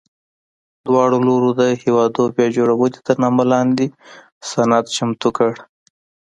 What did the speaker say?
دواړو لورو د هېواد بیا جوړونې تر نامه لاندې سند چمتو کړ.